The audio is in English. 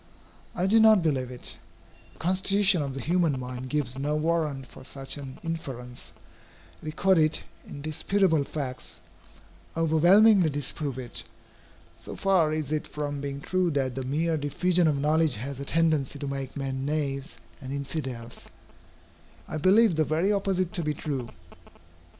I do not believe it. The constitution of the human mind gives no warrant for such an inference. Recorded, indisputable facts, overwhelmingly disprove it. So far is it from being true that the mere diffusion of knowledge has a tendency to make men knaves and infidels, I believe the very opposite to be true.